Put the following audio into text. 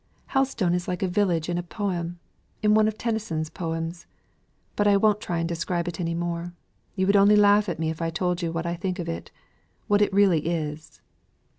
Helstone is like a village in a poem in one of Tennyson's poems. But I won't try and describe it any more. You would only laugh at me if I told you what I think of it what it really is."